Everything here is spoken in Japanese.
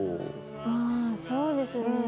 あそうですね。